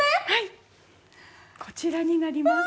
こちらになります。